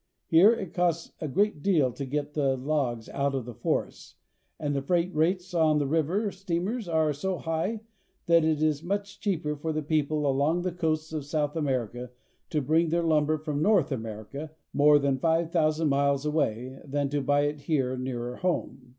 Here it costs a great deal to get the logs out of the forests, and the freight rates on the river steamers are so high that it is much cheaper for the people along the coasts of South America to bring their lumber from North America, more than five thou sand miles away, than to buy it here, nearer home.